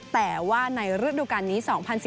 แต่ว่าในฤดูการนี้๒๐๑๙